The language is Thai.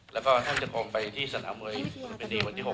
แล้วก็ท่านเจ้าคมไปที่สนามเมืองบริเวณีวันที่๖